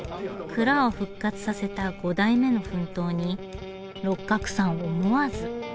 蔵を復活させた５代目の奮闘に六角さん思わず。